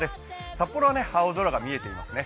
札幌は青空が見えていますね。